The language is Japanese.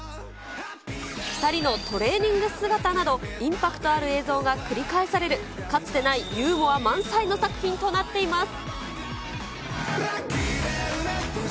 ２人のトレーニング姿など、インパクトある映像が繰り返される、かつてないユーモア満載の作品となっています。